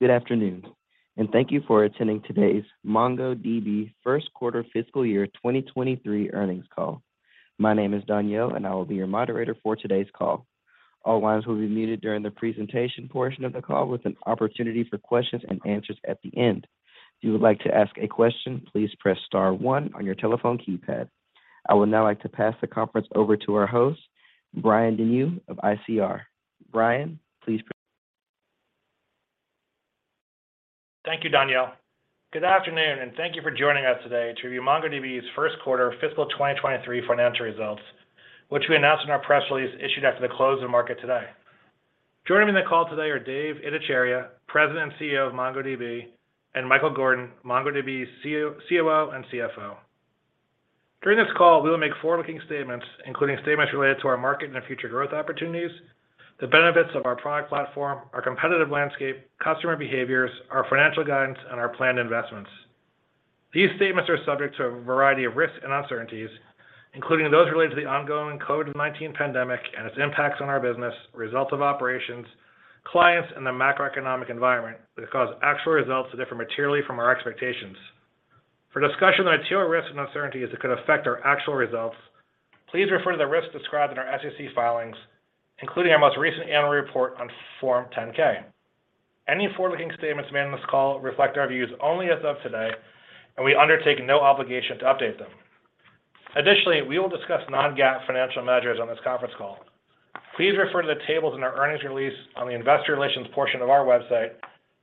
Good afternoon, and thank you for attending today's MongoDB first quarter fiscal year 2023 earnings call. My name is Danielle, and I will be your moderator for today's call. All lines will be muted during the presentation portion of the call with an opportunity for questions and answers at the end. If you would like to ask a question, please press star one on your telephone keypad. I would now like to pass the conference over to our host, Brian Denyeau of ICR. Brian, please proceed. Thank you, Danielle. Good afternoon, and thank you for joining us today to review MongoDB's first quarter fiscal 2023 financial results, which we announced in our press release issued after the close of the market today. Joining me on the call today are Dev Ittycheria, President and CEO of MongoDB, and Michael Gordon, MongoDB's COO and CFO. During this call, we will make forward-looking statements, including statements related to our market and our future growth opportunities, the benefits of our product platform, our competitive landscape, customer behaviors, our financial guidance, and our planned investments. These statements are subject to a variety of risks and uncertainties, including those related to the ongoing COVID-19 pandemic and its impacts on our business, results of operations, clients in the macroeconomic environment that cause actual results to differ materially from our expectations. For discussion of material risks and uncertainties that could affect our actual results, please refer to the risks described in our SEC filings, including our most recent annual report on Form 10-K. Any forward-looking statements made on this call reflect our views only as of today, and we undertake no obligation to update them. Additionally, we will discuss non-GAAP financial measures on this conference call. Please refer to the tables in our earnings release on the investor relations portion of our website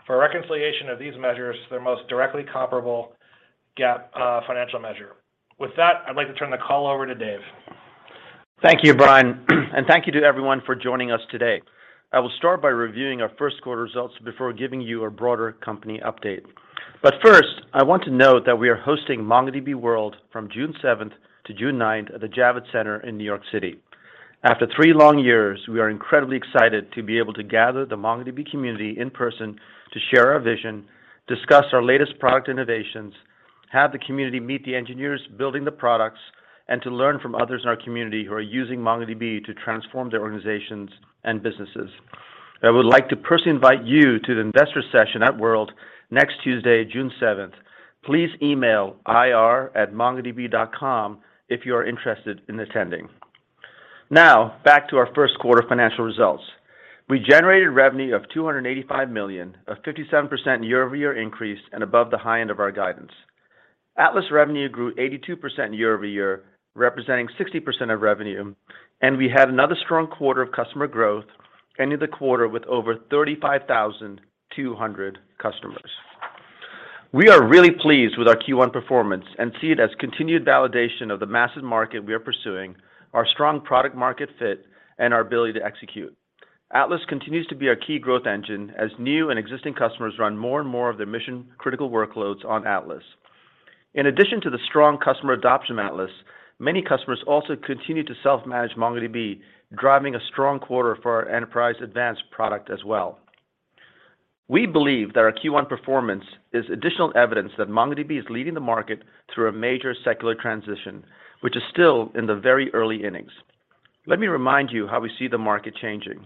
for a reconciliation of these measures to their most directly comparable GAAP financial measure. With that, I'd like to turn the call over to Dev. Thank you, Brian, and thank you to everyone for joining us today. I will start by reviewing our first quarter results before giving you a broader company update. First, I want to note that we are hosting MongoDB World from June 7th to June 9th at the Javits Center in New York City. After three long years, we are incredibly excited to be able to gather the MongoDB community in person to share our vision, discuss our latest product innovations, have the community meet the engineers building the products, and to learn from others in our community who are using MongoDB to transform their organizations and businesses. I would like to personally invite you to the investor session at World next Tuesday, June 7th. Please email ir@mongodb.com if you are interested in attending. Now, back to our first quarter financial results. We generated revenue of $285 million, a 57% year-over-year increase and above the high end of our guidance. Atlas revenue grew 82% year-over-year, representing 60% of revenue, and we had another strong quarter of customer growth, ending the quarter with over 35,200 customers. We are really pleased with our Q1 performance and see it as continued validation of the massive market we are pursuing, our strong product market fit, and our ability to execute. Atlas continues to be our key growth engine as new and existing customers run more and more of their mission-critical workloads on Atlas. In addition to the strong customer adoption of Atlas, many customers also continue to self-manage MongoDB, driving a strong quarter for our Enterprise Advanced product as well. We believe that our Q1 performance is additional evidence that MongoDB is leading the market through a major secular transition, which is still in the very early innings. Let me remind you how we see the market changing.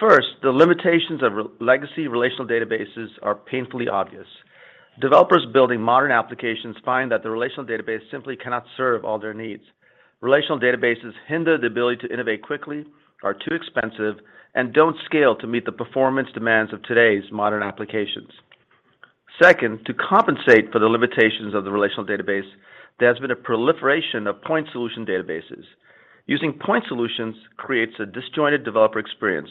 First, the limitations of legacy relational databases are painfully obvious. Developers building modern applications find that the relational database simply cannot serve all their needs. Relational databases hinder the ability to innovate quickly, are too expensive, and don't scale to meet the performance demands of today's modern applications. Second, to compensate for the limitations of the relational database, there has been a proliferation of point solution databases. Using point solutions creates a disjointed developer experience,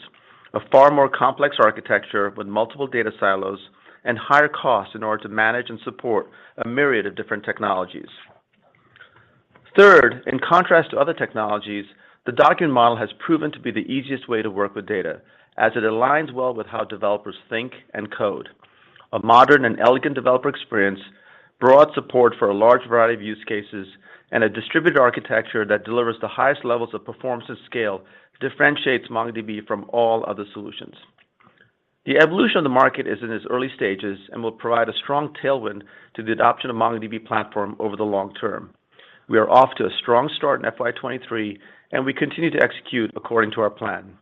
a far more complex architecture with multiple data silos and higher costs in order to manage and support a myriad of different technologies. Third, in contrast to other technologies, the document model has proven to be the easiest way to work with data as it aligns well with how developers think and code. A modern and elegant developer experience, broad support for a large variety of use cases, and a distributed architecture that delivers the highest levels of performance and scale differentiates MongoDB from all other solutions. The evolution of the market is in its early stages and will provide a strong tailwind to the adoption of MongoDB platform over the long term. We are off to a strong start in FY 2023, and we continue to execute according to our plan.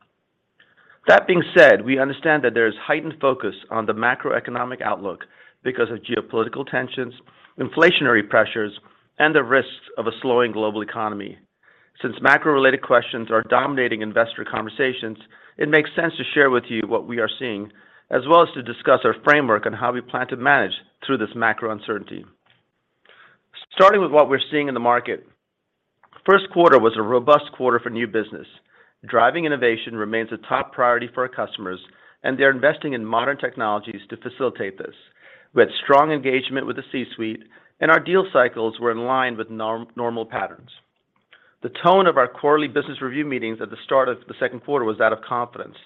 That being said, we understand that there is heightened focus on the macroeconomic outlook because of geopolitical tensions, inflationary pressures, and the risks of a slowing global economy. Since macro-related questions are dominating investor conversations, it makes sense to share with you what we are seeing, as well as to discuss our framework on how we plan to manage through this macro uncertainty. Starting with what we're seeing in the market, first quarter was a robust quarter for new business. Driving innovation remains a top priority for our customers, and they're investing in modern technologies to facilitate this. We had strong engagement with the C-suite, and our deal cycles were in line with normal patterns. The tone of our quarterly business review meetings at the start of the second quarter was that of confidence.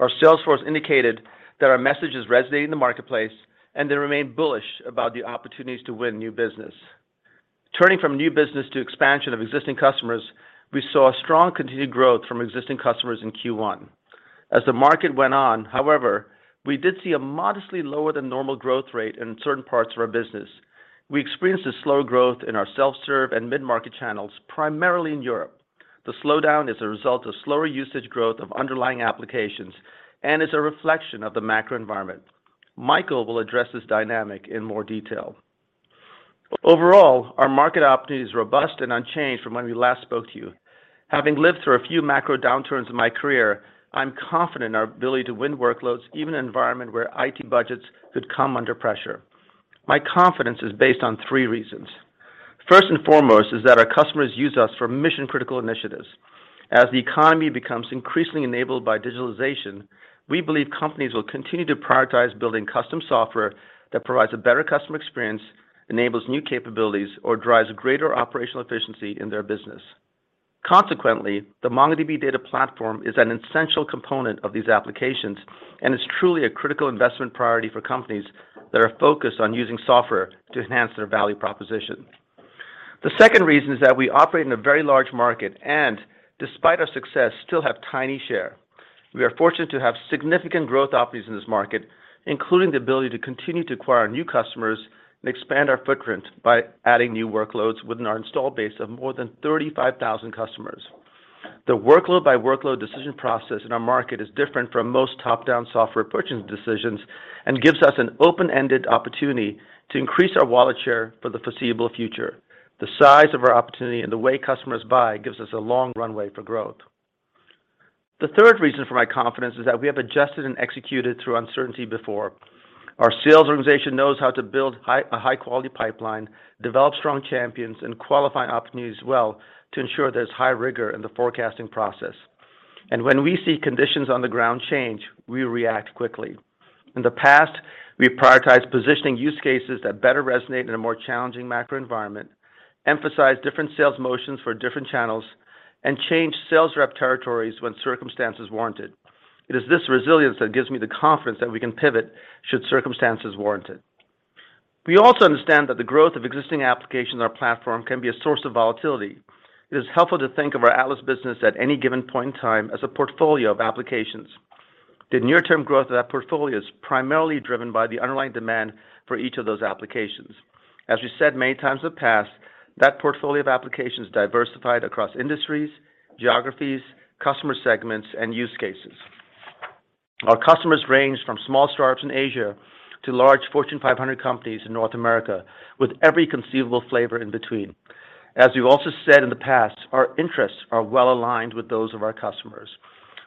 Our sales force indicated that our message is resonating in the marketplace, and they remain bullish about the opportunities to win new business. Turning from new business to expansion of existing customers, we saw strong continued growth from existing customers in Q1. As the market went on, however, we did see a modestly lower than normal growth rate in certain parts of our business. We experienced a slower growth in our self-serve and mid-market channels, primarily in Europe. The slowdown is a result of slower usage growth of underlying applications and is a reflection of the macro environment. Michael will address this dynamic in more detail. Overall, our market opportunity is robust and unchanged from when we last spoke to you. Having lived through a few macro downturns in my career, I'm confident in our ability to win workloads, even in an environment where IT budgets could come under pressure. My confidence is based on three reasons. First and foremost is that our customers use us for mission-critical initiatives. As the economy becomes increasingly enabled by digitalization, we believe companies will continue to prioritize building custom software that provides a better customer experience, enables new capabilities, or drives greater operational efficiency in their business. Consequently, the MongoDB data platform is an essential component of these applications and is truly a critical investment priority for companies that are focused on using software to enhance their value proposition. The second reason is that we operate in a very large market and, despite our success, still have tiny share. We are fortunate to have significant growth opportunities in this market, including the ability to continue to acquire new customers and expand our footprint by adding new workloads within our install base of more than 35,000 customers. The workload by workload decision process in our market is different from most top-down software purchasing decisions and gives us an open-ended opportunity to increase our wallet share for the foreseeable future. The size of our opportunity and the way customers buy gives us a long runway for growth. The third reason for my confidence is that we have adjusted and executed through uncertainty before. Our sales organization knows how to build a high-quality pipeline, develop strong champions, and qualify opportunities well to ensure there's high rigor in the forecasting process. When we see conditions on the ground change, we react quickly. In the past, we prioritized positioning use cases that better resonate in a more challenging macro environment, emphasized different sales motions for different channels, and changed sales rep territories when circumstances warranted. It is this resilience that gives me the confidence that we can pivot should circumstances warrant it. We also understand that the growth of existing applications on our platform can be a source of volatility. It is helpful to think of our Atlas business at any given point in time as a portfolio of applications. The near-term growth of that portfolio is primarily driven by the underlying demand for each of those applications. As we said many times in the past, that portfolio of applications diversified across industries, geographies, customer segments, and use cases. Our customers range from small startups in Asia to large Fortune 500 companies in North America, with every conceivable flavor in between. As we've also said in the past, our interests are well-aligned with those of our customers.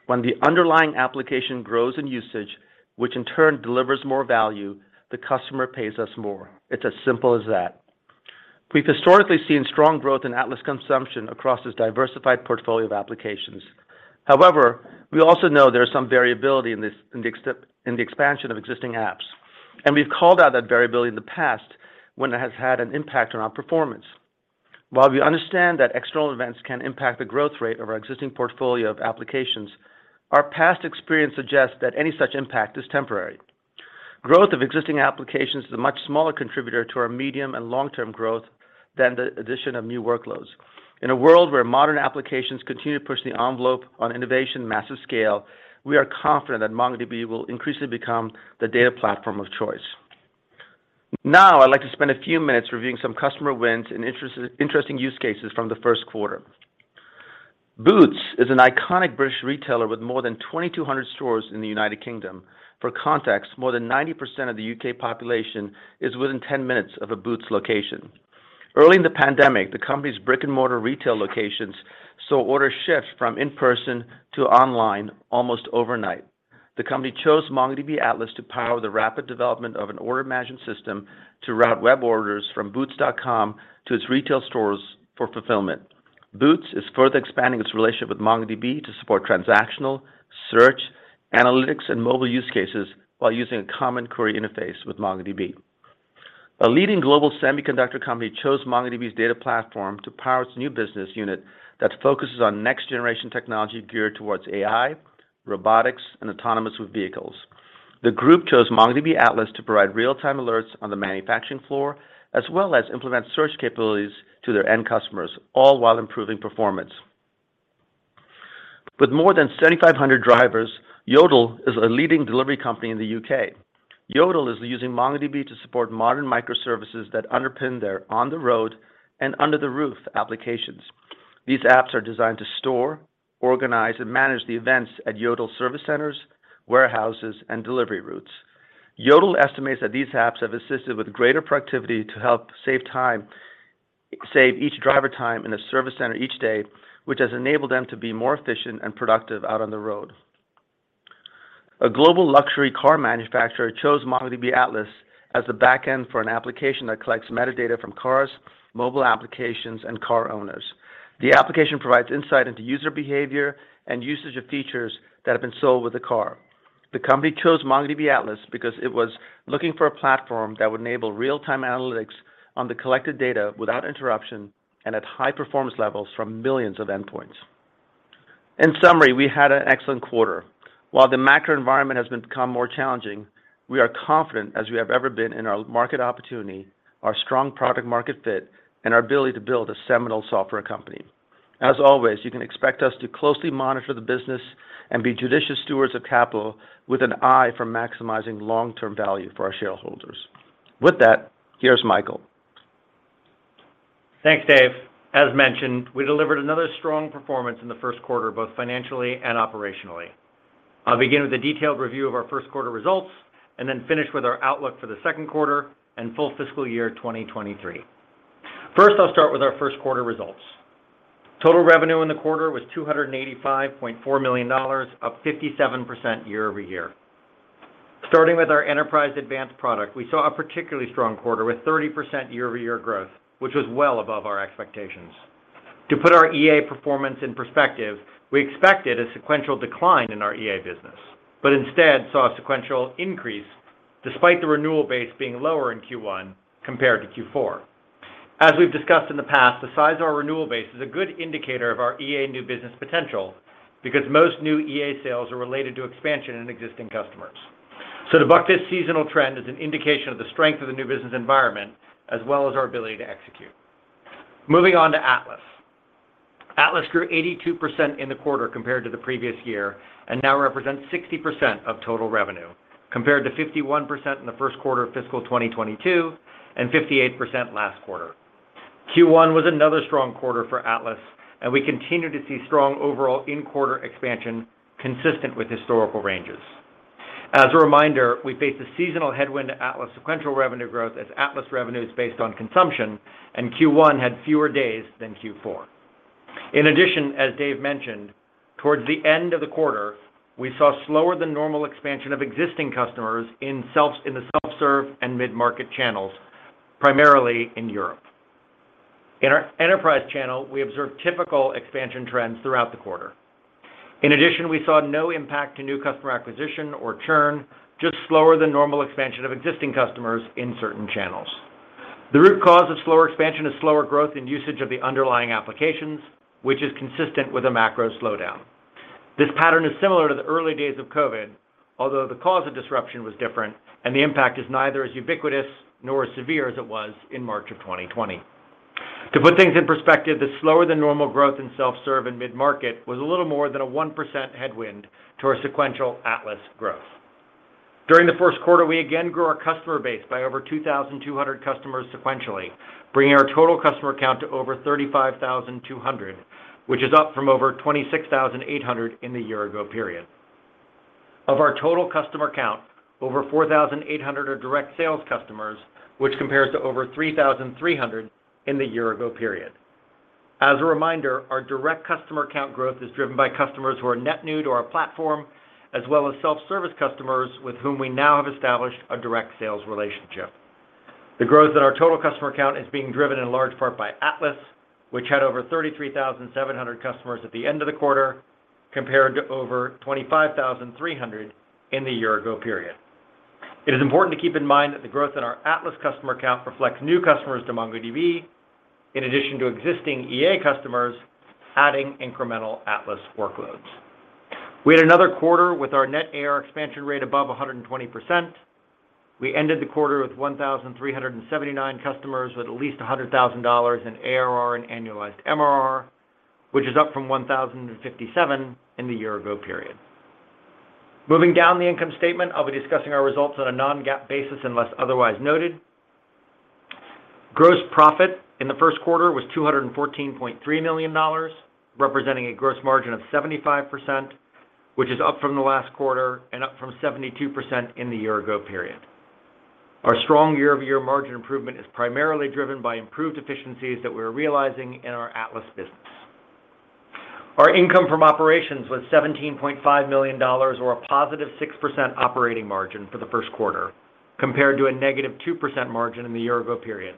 When the underlying application grows in usage, which in turn delivers more value, the customer pays us more. It's as simple as that. We've historically seen strong growth in Atlas consumption across this diversified portfolio of applications. However, we also know there's some variability in the expansion of existing apps, and we've called out that variability in the past when it has had an impact on our performance. While we understand that external events can impact the growth rate of our existing portfolio of applications, our past experience suggests that any such impact is temporary. Growth of existing applications is a much smaller contributor to our medium and long-term growth than the addition of new workloads. In a world where modern applications continue to push the envelope on innovation, massive scale, we are confident that MongoDB will increasingly become the data platform of choice. Now, I'd like to spend a few minutes reviewing some customer wins and interesting use cases from the first quarter. Boots is an iconic British retailer with more than 2,200 stores in the United Kingdom. For context, more than 90% of the U.K. population is within 10 minutes of a Boots location. Early in the pandemic, the company's brick-and-mortar retail locations saw orders shift from in-person to online almost overnight. The company chose MongoDB Atlas to power the rapid development of an order management system to route web orders from boots.com to its retail stores for fulfillment. Boots is further expanding its relationship with MongoDB to support transactional, search, analytics, and mobile use cases while using a common query interface with MongoDB. A leading global semiconductor company chose MongoDB's data platform to power its new business unit that focuses on next-generation technology geared towards AI, robotics, and autonomous vehicles. The group chose MongoDB Atlas to provide real-time alerts on the manufacturing floor, as well as implement search capabilities to their end customers, all while improving performance. With more than 7,500 drivers, Yodel is a leading delivery company in the U.K.. Yodel is using MongoDB to support modern microservices that underpin their on-the-road and under-the-roof applications. These apps are designed to store, organize, and manage the events at Yodel service centers, warehouses, and delivery routes. Yodel estimates that these apps have assisted with greater productivity to help save each driver time in a service center each day, which has enabled them to be more efficient and productive out on the road. A global luxury car manufacturer chose MongoDB Atlas as the back end for an application that collects metadata from cars, mobile applications, and car owners. The application provides insight into user behavior and usage of features that have been sold with the car. The company chose MongoDB Atlas because it was looking for a platform that would enable real-time analytics on the collected data without interruption and at high-performance levels from millions of endpoints. In summary, we had an excellent quarter. While the macro environment has become more challenging, we are confident as we have ever been in our market opportunity, our strong product market fit, and our ability to build a seminal software company. As always, you can expect us to closely monitor the business and be judicious stewards of capital with an eye for maximizing long-term value for our shareholders. With that, here's Michael. Thanks, Dev. As mentioned, we delivered another strong performance in the first quarter, both financially and operationally. I'll begin with a detailed review of our first quarter results, and then finish with our outlook for the second quarter and full fiscal year 2023. First, I'll start with our first quarter results. Total revenue in the quarter was $285.4 million, up 57% year over year. Starting with our Enterprise Advanced product, we saw a particularly strong quarter with 30% year-over-year growth, which was well above our expectations. To put our EA performance in perspective, we expected a sequential decline in our EA business, but instead saw a sequential increase despite the renewal base being lower in Q1 compared to Q4. As we've discussed in the past, the size of our renewal base is a good indicator of our EA new business potential because most new EA sales are related to expansion in existing customers. To buck this seasonal trend is an indication of the strength of the new business environment as well as our ability to execute. Moving on to Atlas. Atlas grew 82% in the quarter compared to the previous year, and now represents 60% of total revenue, compared to 51% in the first quarter of fiscal 2022 and 58% last quarter. Q1 was another strong quarter for Atlas, and we continue to see strong overall in-quarter expansion consistent with historical ranges. As a reminder, we face a seasonal headwind to Atlas sequential revenue growth as Atlas revenue is based on consumption, and Q1 had fewer days than Q4. In addition, as Dev mentioned, towards the end of the quarter, we saw slower than normal expansion of existing customers in the self-serve and mid-market channels, primarily in Europe. In our enterprise channel, we observed typical expansion trends throughout the quarter. In addition, we saw no impact to new customer acquisition or churn, just slower than normal expansion of existing customers in certain channels. The root cause of slower expansion is slower growth in usage of the underlying applications, which is consistent with a macro slowdown. This pattern is similar to the early days of COVID, although the cause of disruption was different and the impact is neither as ubiquitous nor as severe as it was in March of 2020. To put things in perspective, the slower than normal growth in self-serve and mid-market was a little more than a 1% headwind to our sequential Atlas growth. During the first quarter, we again grew our customer base by over 2,200 customers sequentially, bringing our total customer count to over 35,200, which is up from over 26,800 in the year ago period. Of our total customer count, over 4,800 are direct sales customers, which compares to over 3,300 in the year ago period. As a reminder, our direct customer count growth is driven by customers who are net new to our platform, as well as self-service customers with whom we now have established a direct sales relationship. The growth in our total customer count is being driven in large part by Atlas, which had over 33,700 customers at the end of the quarter, compared to over 25,300 in the year ago period. It is important to keep in mind that the growth in our Atlas customer count reflects new customers to MongoDB in addition to existing EA customers adding incremental Atlas workloads. We had another quarter with our net ARR expansion rate above 120%. We ended the quarter with 1,379 customers with at least $100,000 in ARR and annualized MRR, which is up from 1,057 in the year ago period. Moving down the income statement, I'll be discussing our results on a non-GAAP basis unless otherwise noted. Gross profit in the first quarter was $214.3 million, representing a gross margin of 75%, which is up from the last quarter and up from 72% in the year ago period. Our strong year-over-year margin improvement is primarily driven by improved efficiencies that we're realizing in our Atlas business. Our income from operations was $17.5 million or a positive 6% operating margin for the first quarter, compared to a -2% margin in the year ago period.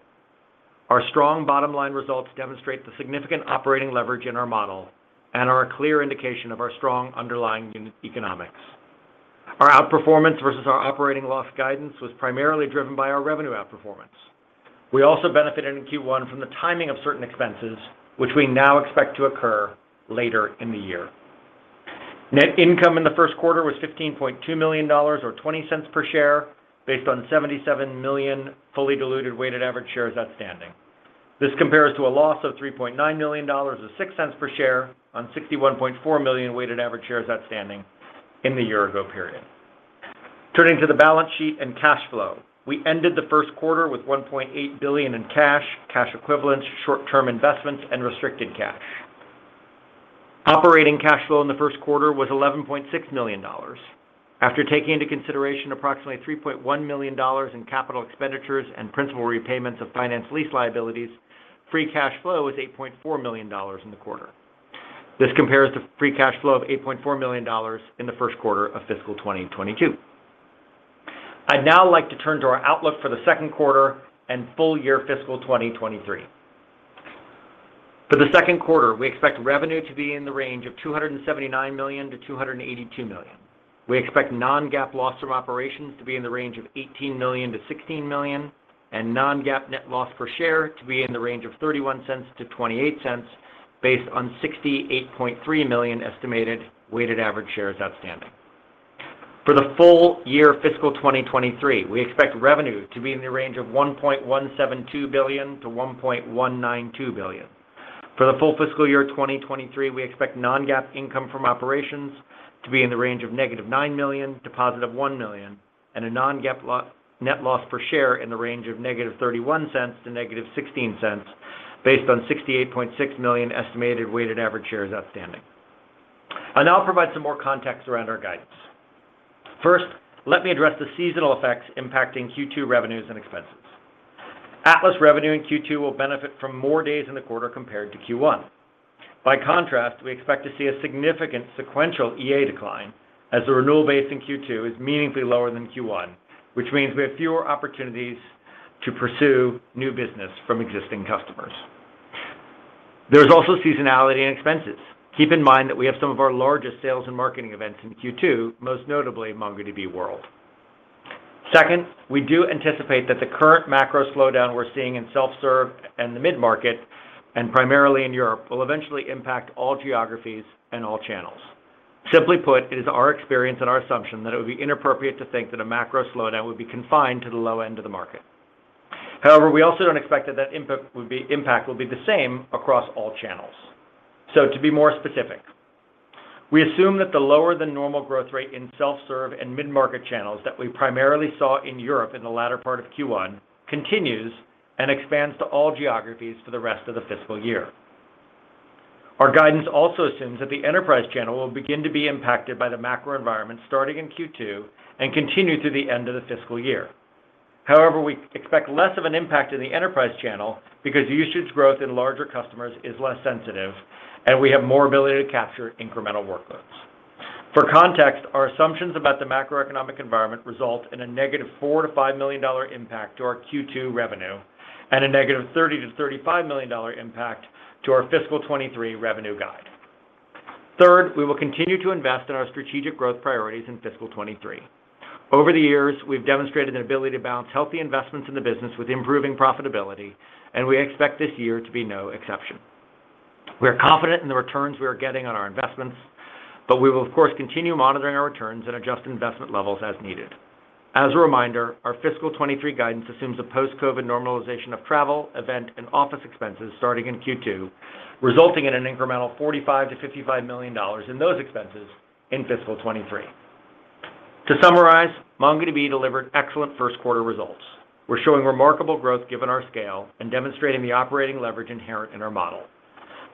Our strong bottom line results demonstrate the significant operating leverage in our model and are a clear indication of our strong underlying unit economics. Our outperformance versus our operating loss guidance was primarily driven by our revenue outperformance. We also benefited in Q1 from the timing of certain expenses, which we now expect to occur later in the year. Net income in the first quarter was $15.2 million or $0.20 per share based on 77 million fully diluted weighted average shares outstanding. This compares to a loss of $3.9 million or $0.06 per share on 61.4 million weighted average shares outstanding in the year ago period. Turning to the balance sheet and cash flow, we ended the first quarter with $1.8 billion in cash equivalents, short-term investments, and restricted cash. Operating cash flow in the first quarter was $11.6 million. After taking into consideration approximately $3.1 million in capital expenditures and principal repayments of finance lease liabilities, free cash flow was $8.4 million in the quarter. This compares to free cash flow of $8.4 million in the first quarter of fiscal 2022. I'd now like to turn to our outlook for the second quarter and full year fiscal 2023. For the second quarter, we expect revenue to be in the range of $279 million-$282 million. We expect non-GAAP loss from operations to be in the range of $18 million-$16 million, and non-GAAP net loss per share to be in the range of $0.31-$0.28 based on 68.3 million estimated weighted average shares outstanding. For the full year fiscal 2023, we expect revenue to be in the range of $1.172 billion-$1.192 billion. For the full fiscal year 2023, we expect non-GAAP income from operations to be in the range of -$9 million to +$1 million and a non-GAAP net loss per share in the range of -$0.31 to -$0.16 based on 68.6 million estimated weighted average shares outstanding. I'll now provide some more context around our guidance. First, let me address the seasonal effects impacting Q2 revenues and expenses. Atlas revenue in Q2 will benefit from more days in the quarter compared to Q1. By contrast, we expect to see a significant sequential EA decline as the renewal base in Q2 is meaningfully lower than Q1, which means we have fewer opportunities to pursue new business from existing customers. There's also seasonality and expenses. Keep in mind that we have some of our largest sales and marketing events in Q2, most notably MongoDB World. Second, we do anticipate that the current macro slowdown we're seeing in self-serve and the mid-market, and primarily in Europe, will eventually impact all geographies and all channels. Simply put, it is our experience and our assumption that it would be inappropriate to think that a macro slowdown would be confined to the low end of the market. However, we also don't expect that impact will be the same across all channels. To be more specific, we assume that the lower than normal growth rate in self-serve and mid-market channels that we primarily saw in Europe in the latter part of Q1 continues and expands to all geographies for the rest of the fiscal year. Our guidance also assumes that the enterprise channel will begin to be impacted by the macro environment starting in Q2 and continue through the end of the fiscal year. However, we expect less of an impact in the enterprise channel because usage growth in larger customers is less sensitive, and we have more ability to capture incremental workloads. For context, our assumptions about the macroeconomic environment result in -$4 million-$5 million impact to our Q2 revenue and a -$30 million-$35 million impact to our fiscal 2023 revenue guide. Third, we will continue to invest in our strategic growth priorities in fiscal 2023. Over the years, we've demonstrated an ability to balance healthy investments in the business with improving profitability, and we expect this year to be no exception. We are confident in the returns we are getting on our investments, but we will of course, continue monitoring our returns and adjust investment levels as needed. As a reminder, our fiscal 2023 guidance assumes a post-COVID-19 normalization of travel, event, and office expenses starting in Q2, resulting in an incremental $45 million-$55 million in those expenses in fiscal 2023. To summarize, MongoDB delivered excellent first quarter results. We're showing remarkable growth given our scale and demonstrating the operating leverage inherent in our model.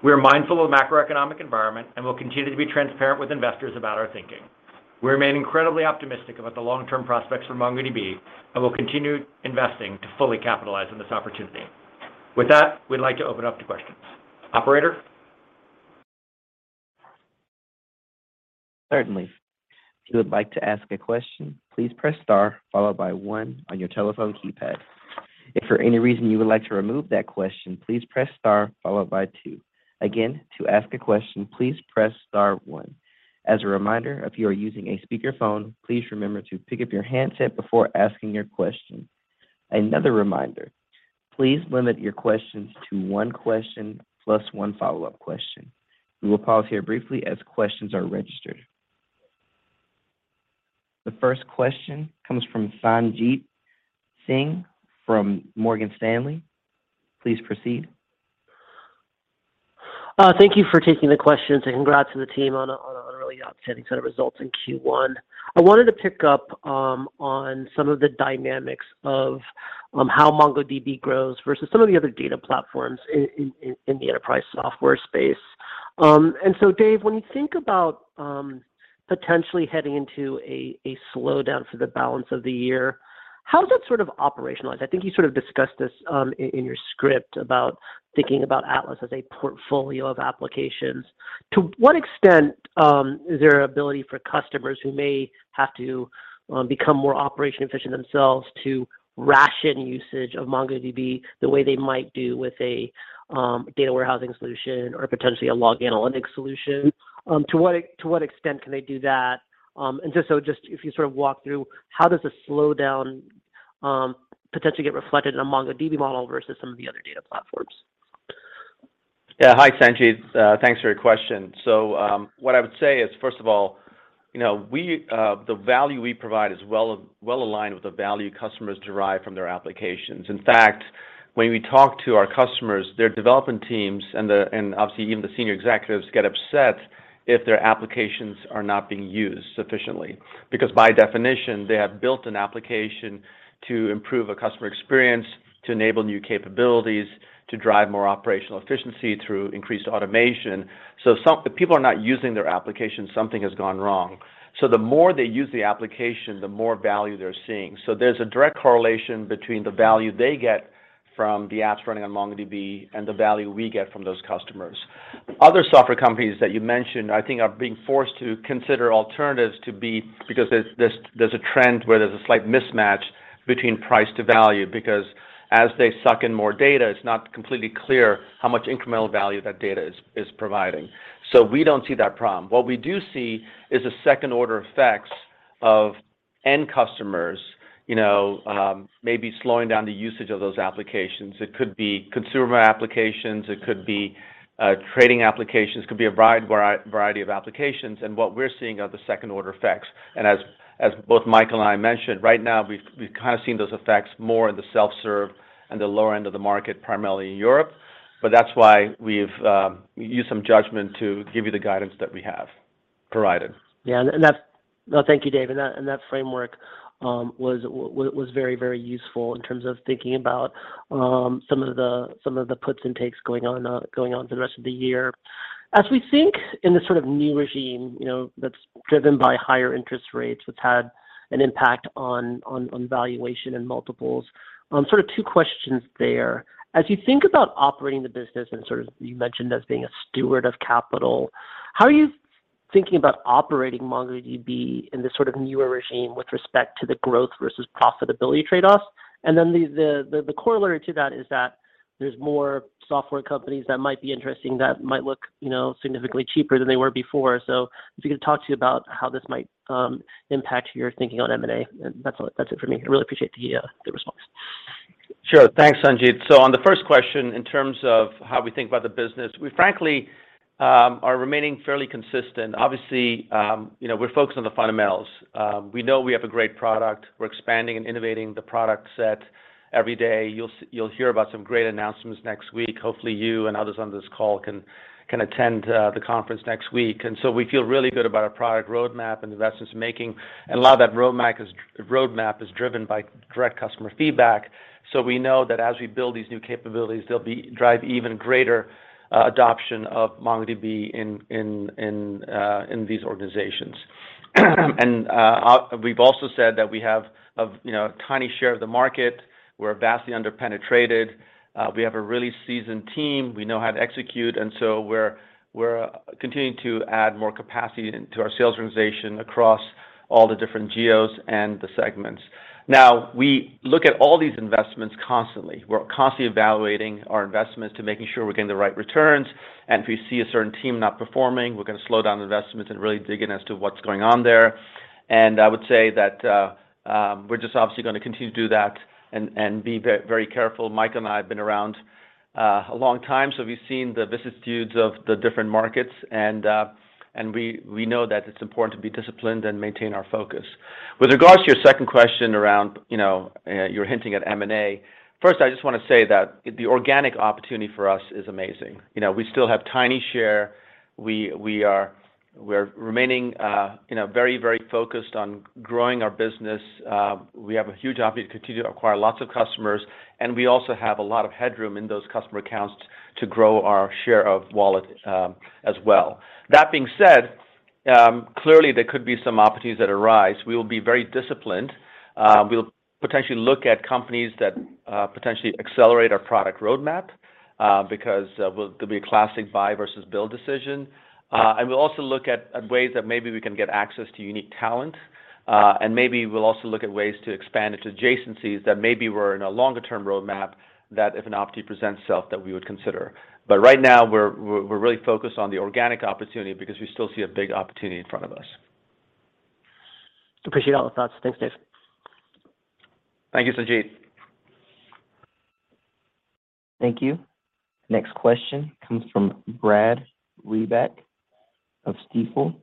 We are mindful of the macroeconomic environment and will continue to be transparent with investors about our thinking. We remain incredibly optimistic about the long-term prospects for MongoDB and will continue investing to fully capitalize on this opportunity. With that, we'd like to open up to questions. Operator? Certainly. If you would like to ask a question, please press star followed by one on your telephone keypad. If for any reason you would like to remove that question, please press star followed by two. Again, to ask a question, please press star one. As a reminder, if you are using a speakerphone, please remember to pick up your handset before asking your question. Another reminder, please limit your questions to one question plus one follow-up question. We will pause here briefly as questions are registered. The first question comes from Sanjit Singh from Morgan Stanley. Please proceed. Thank you for taking the questions, and congrats to the team on a really outstanding set of results in Q1. I wanted to pick up on some of the dynamics of how MongoDB grows versus some of the other data platforms in the enterprise software space. Dev, when you think about potentially heading into a slowdown for the balance of the year, how does that sort of operationalize? I think you sort of discussed this in your script about thinking about Atlas as a portfolio of applications. To what extent is there ability for customers who may have to become more operationally efficient themselves to ration usage of MongoDB the way they might do with a data warehousing solution or potentially a log analytics solution? To what extent can they do that? Just if you sort of walk through how does a slowdown potentially get reflected in a MongoDB model versus some of the other data platforms? Yeah. Hi, Sanjit. Thanks for your question. What I would say is, first of all, you know, the value we provide is well aligned with the value customers derive from their applications. In fact, when we talk to our customers, their development teams and obviously even the senior executives get upset if their applications are not being used sufficiently, because by definition, they have built an application to improve a customer experience, to enable new capabilities, to drive more operational efficiency through increased automation. If people are not using their application, something has gone wrong. The more they use the application, the more value they're seeing. There's a direct correlation between the value they get from the apps running on MongoDB and the value we get from those customers. Other software companies that you mentioned, I think are being forced to consider alternatives, because there's a trend where there's a slight mismatch between price to value because as they suck in more data, it's not completely clear how much incremental value that data is providing. So we don't see that problem. What we do see is the second order effects of end customers, you know, maybe slowing down the usage of those applications. It could be consumer applications, it could be trading applications, it could be a wide variety of applications. What we're seeing are the second order effects. As both Mike and I mentioned, right now, we've kind of seen those effects more in the self-serve and the lower end of the market, primarily in Europe. That's why we've used some judgment to give you the guidance that we have provided. Thank you, Dev, and that framework was very useful in terms of thinking about some of the puts and takes going on for the rest of the year. As we think in this sort of new regime, you know, that's driven by higher interest rates, that's had an impact on valuation and multiples, sort of two questions there. As you think about operating the business and sort of you mentioned as being a steward of capital, how are you thinking about operating MongoDB in this sort of newer regime with respect to the growth versus profitability trade-offs? The corollary to that is that there's more software companies that might be interesting that might look, you know, significantly cheaper than they were before. If you could talk about how this might impact your thinking on M&A. That's all, that's it for me. I really appreciate to hear the response. Sure. Thanks, Sanjit. On the first question, in terms of how we think about the business, we frankly are remaining fairly consistent. Obviously, you know, we're focused on the fundamentals. We know we have a great product. We're expanding and innovating the product set every day. You'll hear about some great announcements next week. Hopefully, you and others on this call can attend the conference next week. We feel really good about our product roadmap and the investments making. A lot of that roadmap is driven by direct customer feedback. We know that as we build these new capabilities, they'll drive even greater adoption of MongoDB in these organizations. We've also said that we have a, you know, a tiny share of the market. We're vastly under penetrated. We have a really seasoned team. We know how to execute, and so we're continuing to add more capacity into our sales organization across all the different geos and the segments. Now, we look at all these investments constantly. We're constantly evaluating our investments to make sure we're getting the right returns. If we see a certain team not performing, we're going to slow down investments and really dig in as to what's going on there. I would say that we're just obviously going to continue to do that and be very careful. Mike and I have been around a long time, so we've seen the vicissitudes of the different markets, and we know that it's important to be disciplined and maintain our focus. With regards to your second question around, you know, you're hinting at M&A. First, I just want to say that the organic opportunity for us is amazing. You know, we still have tiny share. We're remaining, you know, very focused on growing our business. We have a huge opportunity to continue to acquire lots of customers, and we also have a lot of headroom in those customer accounts to grow our share of wallet, as well. That being said, clearly there could be some opportunities that arise. We will be very disciplined. We'll potentially look at companies that potentially accelerate our product roadmap, because there'll be a classic buy versus build decision. We'll also look at ways that maybe we can get access to unique talent. Maybe we'll also look at ways to expand into adjacencies that maybe were in a longer term roadmap that if an opportunity presents itself that we would consider. Right now we're really focused on the organic opportunity because we still see a big opportunity in front of us. Appreciate all the thoughts. Thanks, Dev. Thank you, Sanjit. Thank you. Next question comes from Brad Reback of Stifel.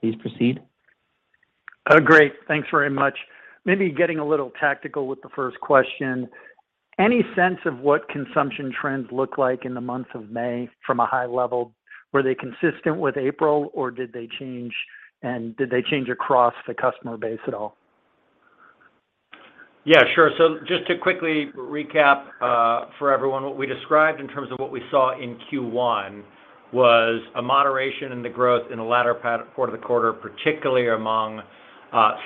Please proceed. Great. Thanks very much. Maybe getting a little tactical with the first question. Any sense of what consumption trends look like in the month of May from a high level? Were they consistent with April, or did they change, and did they change across the customer base at all? Yeah, sure. Just to quickly recap, for everyone, what we described in terms of what we saw in Q1 was a moderation in the growth in the latter part of the quarter, particularly among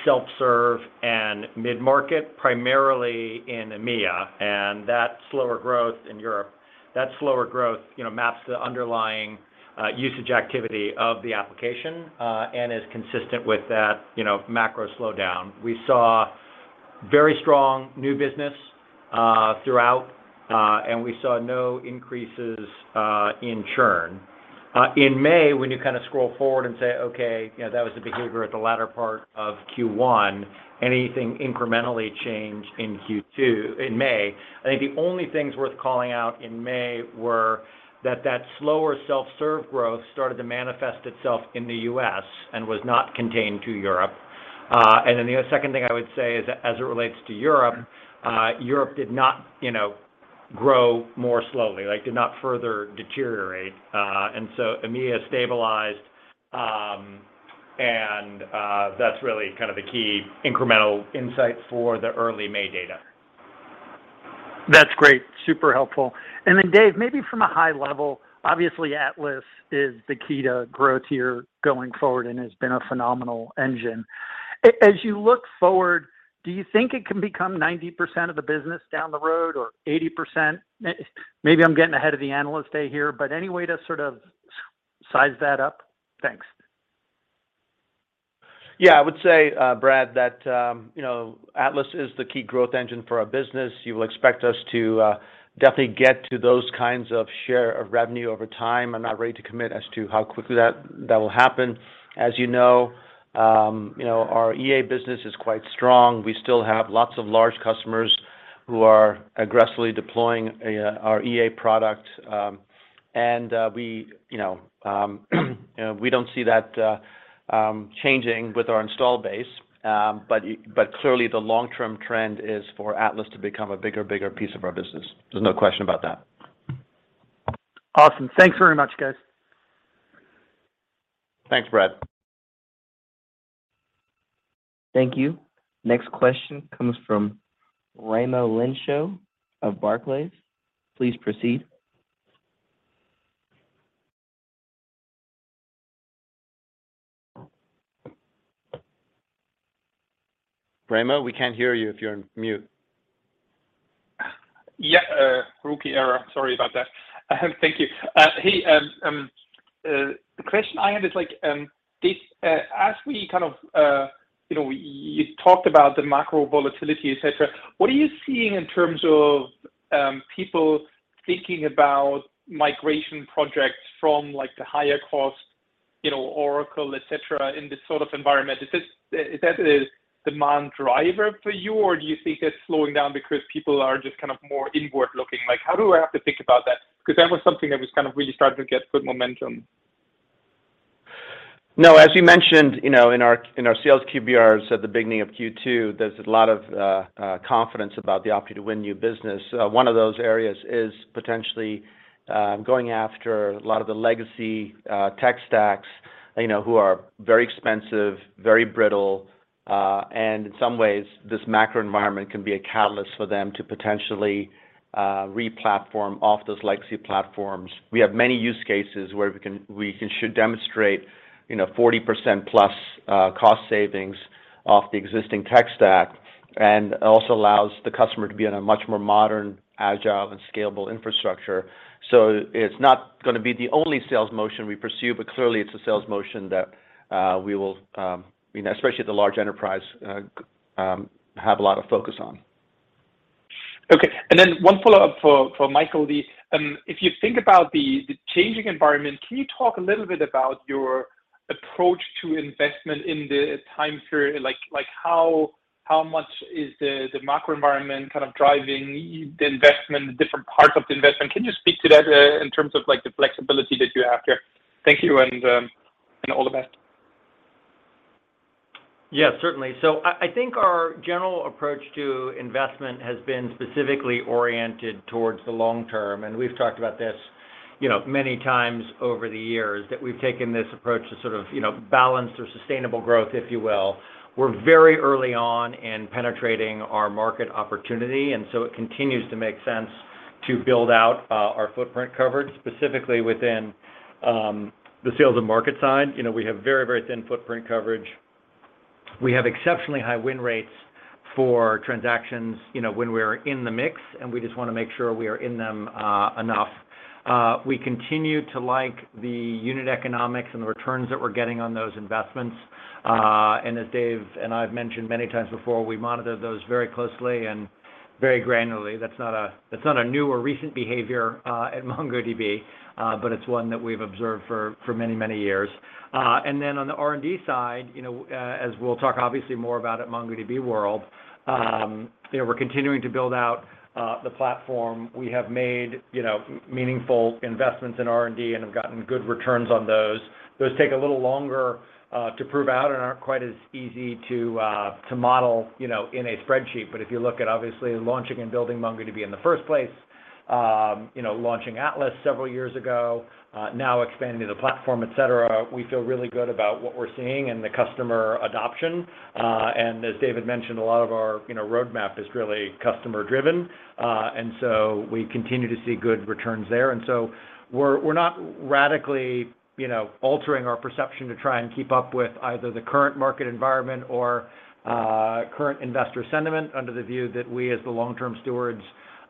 self-serve and mid-market, primarily in EMEA, and that slower growth in Europe. That slower growth, you know, maps to the underlying usage activity of the application and is consistent with that, you know, macro slowdown. We saw very strong new business throughout and we saw no increases in churn. In May, when you kind of roll forward and say, "Okay, you know, that was the behavior at the latter part of Q1. Anything incrementally changed in Q2 in May? I think the only things worth calling out in May were that slower self-serve growth started to manifest itself in the US and was not contained to Europe. The other second thing I would say is as it relates to Europe did not, you know, grow more slowly, like did not further deteriorate. EMEA stabilized, and that's really kind of the key incremental insight for the early May data. That's great. Super helpful. Dev, maybe from a high level, obviously Atlas is the key to growth here going forward and has been a phenomenal engine. As you look forward, do you think it can become 90% of the business down the road or 80%? Maybe I'm getting ahead of the analyst day here, but any way to sort of size that up? Thanks. Yeah, I would say, Brad, that, you know, Atlas is the key growth engine for our business. You will expect us to definitely get to those kinds of share of revenue over time. I'm not ready to commit as to how quickly that will happen. As you know, our EA business is quite strong. We still have lots of large customers who are aggressively deploying our EA product. We don't see that changing with our install base. But clearly the long-term trend is for Atlas to become a bigger piece of our business. There's no question about that. Awesome. Thanks very much, guys. Thanks, Brad. Thank you. Next question comes from Raimo Lenschow of Barclays. Please proceed. Raimo, we can't hear you if you're on mute. Yeah, rookie error. Sorry about that. Thank you. Hey, the question I had is, like, as we kind of, you know, you talked about the macro volatility, et cetera. What are you seeing in terms of, people thinking about migration projects from, like, the higher cost, you know, Oracle, et cetera, in this sort of environment? Is that a demand driver for you, or do you think it's slowing down because people are just kind of more inward-looking? Like, how do I have to think about that? 'Cause that was something that was kind of really starting to get good momentum. No, as we mentioned, you know, in our sales QBRs at the beginning of Q2, there's a lot of confidence about the opportunity to win new business. One of those areas is potentially going after a lot of the legacy tech stacks, you know, who are very expensive, very brittle, and in some ways, this macro environment can be a catalyst for them to potentially re-platform off those legacy platforms. We have many use cases where we should demonstrate, you know, 40%+ cost savings off the existing tech stack, and also allows the customer to be on a much more modern, agile, and scalable infrastructure. It's not gonna be the only sales motion we pursue, but clearly it's a sales motion that we will, you know, especially the large enterprise, have a lot of focus on. Okay. Then one follow-up for Michael. If you think about the changing environment, can you talk a little bit about your approach to investment in the time period? Like, how much is the macro environment kind of driving the investment, the different parts of the investment? Can you speak to that in terms of, like, the flexibility that you have here? Thank you and all the best. Yeah, certainly. I think our general approach to investment has been specifically oriented towards the long term, and we've talked about this, you know, many times over the years, that we've taken this approach to sort of, you know, balance or sustainable growth, if you will. We're very early on in penetrating our market opportunity, and it continues to make sense to build out our footprint coverage, specifically within the sales and marketing side. You know, we have very, very thin footprint coverage. We have exceptionally high win rates for transactions, you know, when we're in the mix, and we just wanna make sure we are in them enough. We continue to like the unit economics and the returns that we're getting on those investments. As Dev and I've mentioned many times before, we monitor those very closely and very granularly. That's not a new or recent behavior at MongoDB, but it's one that we've observed for many years. Then on the R&D side, you know, as we'll talk obviously more about at MongoDB World, you know, we're continuing to build out the platform. We have made, you know, meaningful investments in R&D and have gotten good returns on those. Those take a little longer to prove out and aren't quite as easy to model, you know, in a spreadsheet. But if you look at obviously launching and building MongoDB in the first place, you know, launching Atlas several years ago, now expanding the platform, et cetera, we feel really good about what we're seeing and the customer adoption. As Dev mentioned, a lot of our, you know, roadmap is really customer-driven. We continue to see good returns there. We're not radically, you know, altering our perception to try and keep up with either the current market environment or current investor sentiment under the view that we, as the long-term stewards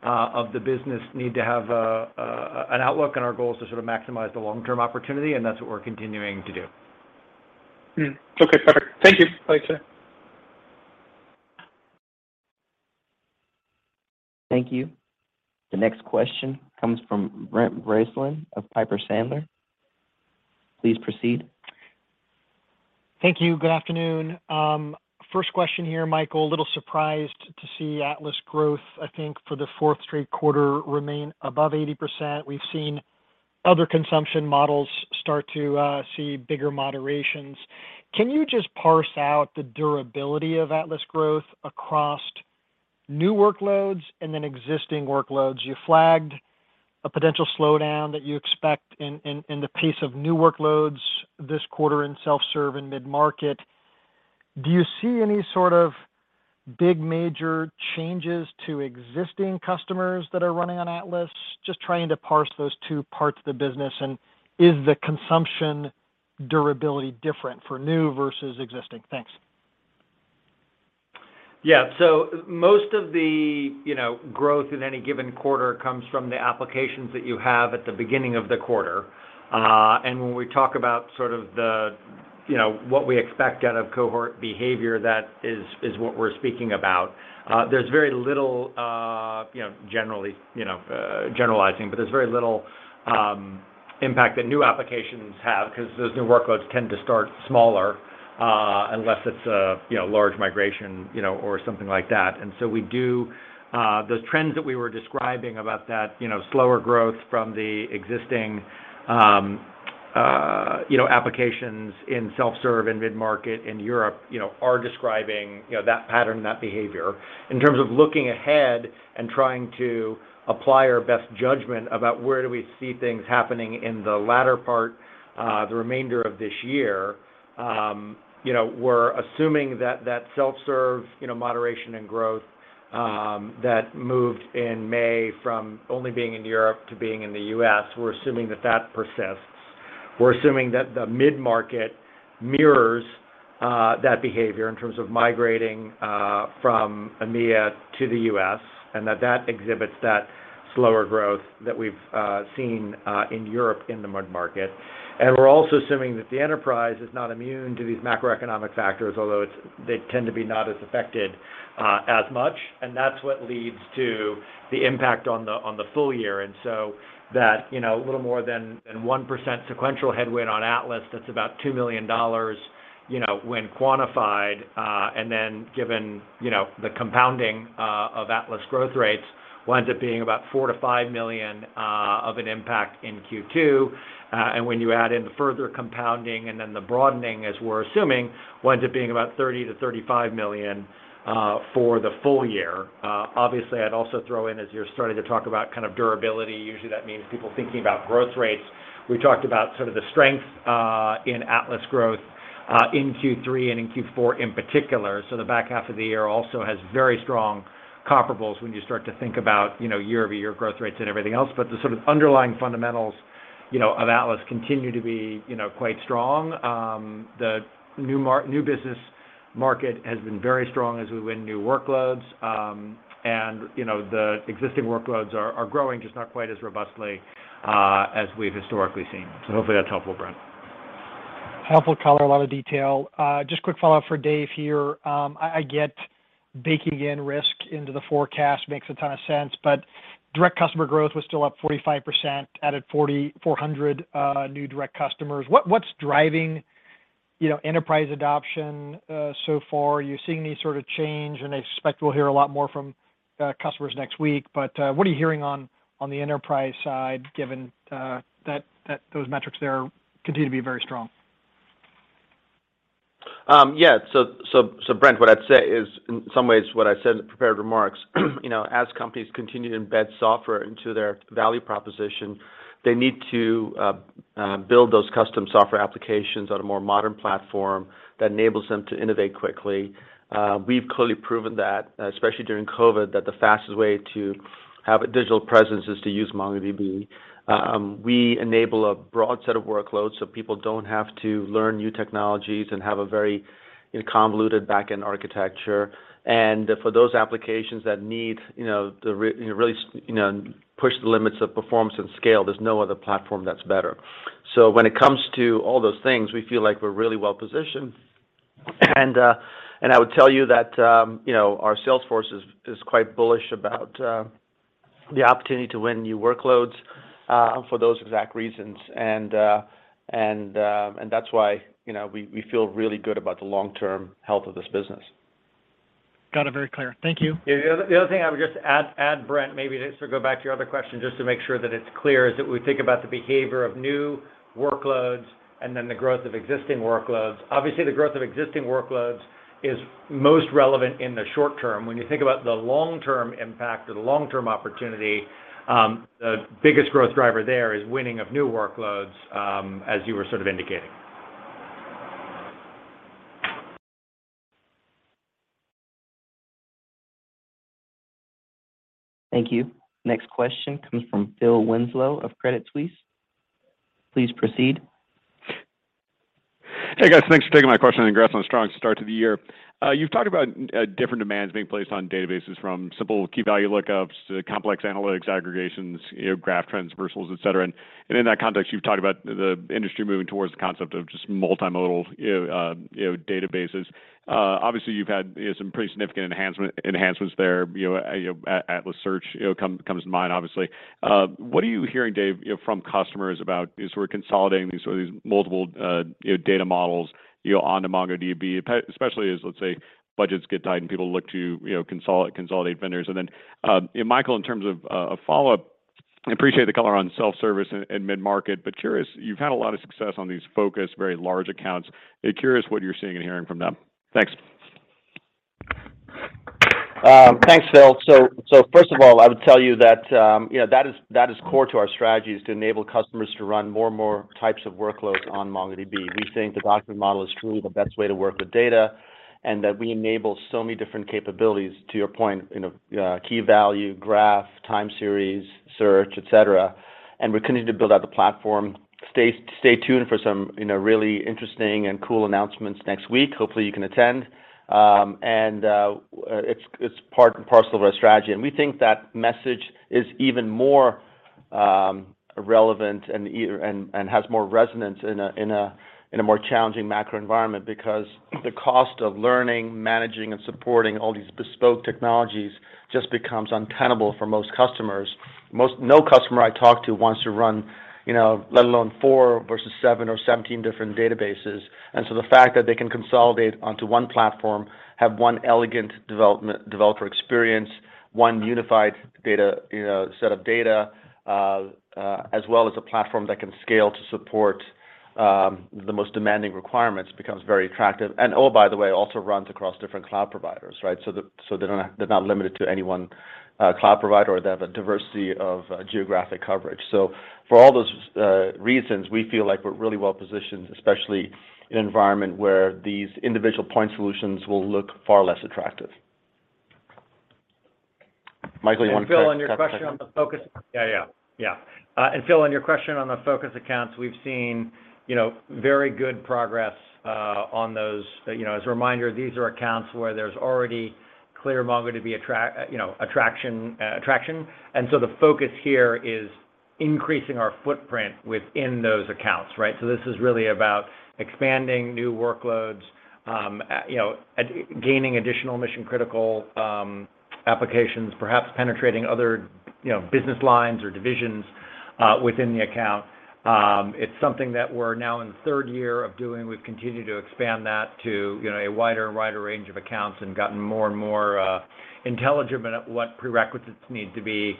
of the business, need to have an outlook on our goals to sort of maximize the long-term opportunity, and that's what we're continuing to do. Okay, perfect. Thank you. Later. Thank you. The next question comes from Brent Bracelin of Piper Sandler. Please proceed. Thank you. Good afternoon. First question here, Michael. A little surprised to see Atlas growth, I think, for the fourth straight quarter remain above 80%. We've seen other consumption models start to see bigger moderations. Can you just parse out the durability of Atlas growth across new workloads and then existing workloads? You flagged a potential slowdown that you expect in the pace of new workloads this quarter in self-serve and mid-market. Do you see any sort of big major changes to existing customers that are running on Atlas? Just trying to parse those two parts of the business. Is the consumption durability different for new versus existing? Thanks. Yeah. Most of the, you know, growth in any given quarter comes from the applications that you have at the beginning of the quarter. When we talk about sort of the, you know, what we expect out of cohort behavior, that is what we're speaking about. There's very little, you know, generally, you know, generalizing, but there's very little impact that new applications have 'cause those new workloads tend to start smaller, unless it's a, you know, large migration, you know, or something like that. We do those trends that we were describing about that, you know, slower growth from the existing, you know, applications in self-serve and mid-market in Europe, you know, are describing, you know, that pattern, that behavior. In terms of looking ahead and trying to apply our best judgment about where do we see things happening in the latter part, the remainder of this year, you know, we're assuming that that self-serve, you know, moderation and growth, that moved in May from only being in Europe to being in the U.S., we're assuming that that persists. We're assuming that the mid-market mirrors that behavior in terms of migrating from EMEA to the U.S., and that that exhibits that slower growth that we've seen in Europe in the mid-market. We're also assuming that the enterprise is not immune to these macroeconomic factors, although they tend to be not as affected as much, and that's what leads to the impact on the full year. That you know a little more than 1% sequential headwind on Atlas, that's about $2 million you know when quantified and then given you know the compounding of Atlas growth rates winds up being about $4 million-$5 million of an impact in Q2. When you add in the further compounding and then the broadening as we're assuming winds up being about $30 million-$35 million for the full year. Obviously I'd also throw in as you're starting to talk about kind of durability usually that means people thinking about growth rates. We talked about sort of the strength in Atlas growth in Q3 and in Q4 in particular. The back half of the year also has very strong comparables when you start to think about you know year-over-year growth rates and everything else. The sort of underlying fundamentals, you know, of Atlas continue to be, you know, quite strong. The new business market has been very strong as we win new workloads. And, you know, the existing workloads are growing just not quite as robustly as we've historically seen. Hopefully that's helpful, Brent. Helpful color, a lot of detail. Just quick follow-up for Dev here. I get baking in risk into the forecast makes a ton of sense, but direct customer growth was still up 45%, added 400 new direct customers. What's driving, you know, enterprise adoption so far? Are you seeing any sort of change? I expect we'll hear a lot more from customers next week, but what are you hearing on the enterprise side, given that those metrics there continue to be very strong? Yeah. Brent, what I'd say is in some ways what I said in the prepared remarks. You know, as companies continue to embed software into their value proposition, they need to build those custom software applications on a more modern platform that enables them to innovate quickly. We've clearly proven that, especially during COVID, that the fastest way to have a digital presence is to use MongoDB. We enable a broad set of workloads, so people don't have to learn new technologies and have a very convoluted back-end architecture. For those applications that need, you know, really, you know, push the limits of performance and scale, there's no other platform that's better. When it comes to all those things, we feel like we're really well positioned. I would tell you that, you know, our sales force is quite bullish about the opportunity to win new workloads for those exact reasons. That's why, you know, we feel really good about the long-term health of this business. Got it. Very clear. Thank you. The other thing I would just add, Brent, maybe to go back to your other question, just to make sure that it's clear, is that we think about the behavior of new workloads and then the growth of existing workloads. Obviously, the growth of existing workloads is most relevant in the short term. When you think about the long-term impact or the long-term opportunity, the biggest growth driver there is winning of new workloads, as you were sort of indicating. Thank you. Next question comes from Phil Winslow of Credit Suisse. Please proceed. Hey, guys. Thanks for taking my question, and congrats on a strong start to the year. You've talked about different demands being placed on databases from simple key value lookups to complex analytics aggregations, you know, graph traversals, et cetera. In that context, you've talked about the industry moving towards the concept of just multimodal, you know, databases. Obviously, you've had some pretty significant enhancements there. You know, Atlas Search comes to mind, obviously. What are you hearing, Dev, you know, from customers about as we're consolidating these sort of, these multiple data models, you know, onto MongoDB, especially as, let's say, budgets get tight and people look to, you know, consolidate vendors? You know, Michael, in terms of a follow-up, I appreciate the color on self-service and mid-market, but curious, you've had a lot of success on these focused, very large accounts. Curious what you're seeing and hearing from them. Thanks. Thanks, Phil. First of all, I would tell you that, you know, that is core to our strategy is to enable customers to run more and more types of workloads on MongoDB. We think the document model is truly the best way to work with data, and that we enable so many different capabilities, to your point, you know, key value, graph, time series, search, et cetera. We're continuing to build out the platform. Stay tuned for some, you know, really interesting and cool announcements next week. Hopefully, you can attend. It's part and parcel of our strategy. We think that message is even more relevant and has more resonance in a more challenging macro environment because the cost of learning, managing, and supporting all these bespoke technologies just becomes untenable for most customers. No customer I talk to wants to run, you know, let alone four versus seven or 17 different databases. The fact that they can consolidate onto one platform, have one elegant developer experience. One unified data, you know, set of data, as well as a platform that can scale to support the most demanding requirements becomes very attractive. Oh, by the way, also runs across different cloud providers, right? That they're not limited to any one cloud provider. They have a diversity of geographic coverage. For all those reasons, we feel like we're really well-positioned, especially in an environment where these individual point solutions will look far less attractive. Michael, you want to. Phil, on your question on the focus accounts, we've seen, you know, very good progress on those. You know, as a reminder, these are accounts where there's already clear MongoDB attraction. The focus here is increasing our footprint within those accounts, right? This is really about expanding new workloads, you know, and gaining additional mission-critical applications, perhaps penetrating other, you know, business lines or divisions within the account. It's something that we're now in the third year of doing. We've continued to expand that to, you know, a wider and wider range of accounts and gotten more and more, intelligent about what prerequisites need to be,